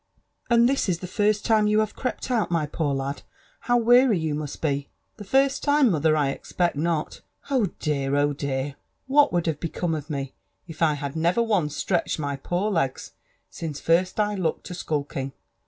And is this the first time you have crept out, my poor lad? How weary you must be !"'' 'The first time, mother 1 1 expect not. Oh dear ! oh dear l whal would' have become of me if I had never once stretched my poor legs since first I look to skulking